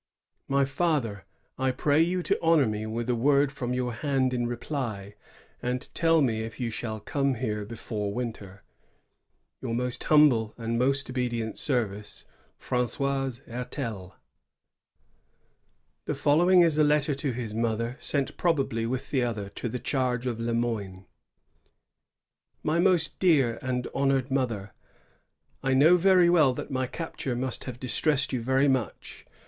My Father, I pray you to honor me with a word from your hand in reply, and tell me if you shall come here before winter. Tour most humble and most obedient serrairt, FBAK9018 Hebtel. 1 Journal des JAuites, SOO. 1661.] LETTER OF HERTEL. 128 The following is the letter to his fnotfaer, sent probably, with the other, to the charge of Le Moyne: — Mt most dras and honobed Mother, — I know very well that mj capture must have distressed you very much.